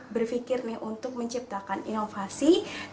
berpikir untuk menciptakan inovasi